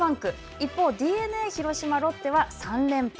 一方、ＤｅＮＡ、広島、ロッテは３連敗。